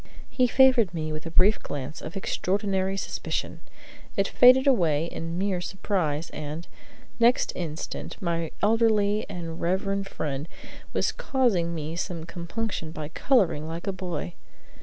He favored me with a brief glance of extraordinary suspicion. It faded away in mere surprise, and, next instant, my elderly and reverend friend was causing me some compunction by coloring like a boy.